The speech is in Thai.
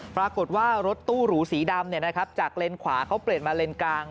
ปรากฏว่ารถตู้หรูสีดำจากเลนขวาเขาเปลี่ยนมาเลนกลาง